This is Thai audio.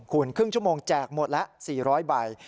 คุณครึ่งชั่วโมงแจกหมดละ๔๐๐ใบ